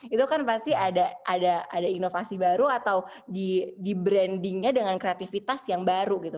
itu kan pasti ada inovasi baru atau di brandingnya dengan kreativitas yang baru gitu